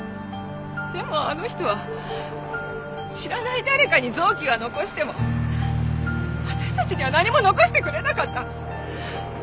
でもあの人は知らない誰かに臓器は残しても私たちには何も残してくれなかった。